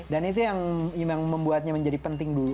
dan itu yang memang membuatnya menjadi penting dulu gitu